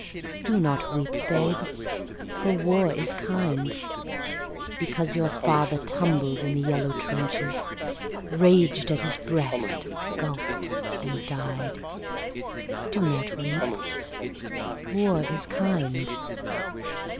Do not weep, babe, for war is kind. Because your father tumbled in the yellow trenches, Raged at his breast, gulped and died, Do not weep. War is kind.